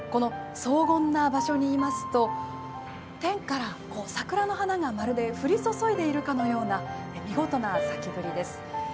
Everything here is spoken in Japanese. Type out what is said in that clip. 荘厳な場所にいますと天から桜の花がまるで降り注いでいるかのような見事な咲きぶりです。